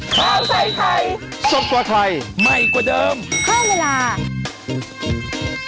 กระแทงกระแทง